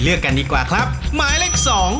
หมวกปีกดีกว่าหมวกปีกดีกว่า